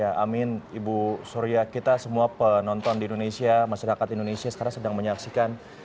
ya amin ibu surya kita semua penonton di indonesia masyarakat indonesia sekarang sedang menyaksikan